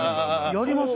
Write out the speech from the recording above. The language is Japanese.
やります？